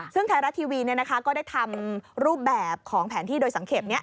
ซึ่งไทยรัฐทีวีก็ได้ทำรูปแบบของแผนที่โดยสังเกตนี้